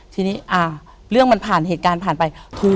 ทีนี้เรื่องมันผ่านเหตุการณ์ผ่านไป